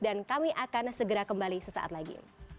kami akan segera kembali sesaat lagi